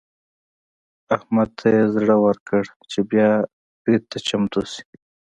احمد ته يې زړه ورکړ چې بيا برید ته چمتو شي.